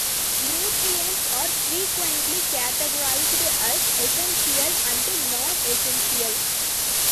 Nutrients are frequently categorized as essential and nonessential.